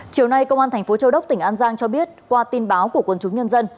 chiều nay công an thành phố châu đốc tỉnh an giang cho biết qua tin báo của quân chúng nhân dân